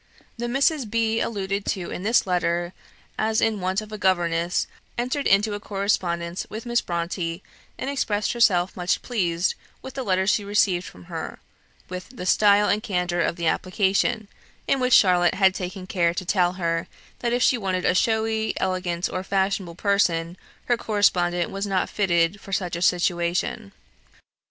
The Mrs. B. alluded to in this letter, as in want of a governess, entered into a correspondence with Miss Bronte, and expressed herself much pleased with the letters she received from her, with the "style and candour of the application," in which Charlotte had taken care to tell her, that if she wanted a showy, elegant, or fashionable person, her correspondent was not fitted for such a situation.